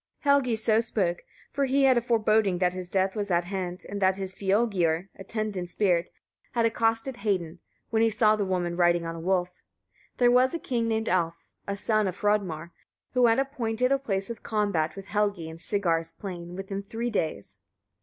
Helgi so spoke, for he had a foreboding that his death was at hand, and that his fylgiur (attendant spirit) had accosted Hedin, when he saw the woman riding on a wolf. There was a king named Alf, a son of Hrodmar, who had appointed a place of combat with Helgi in Sigar's plain within three days.